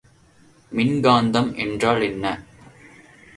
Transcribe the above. மின்காந்தம் என்றால் என்ன?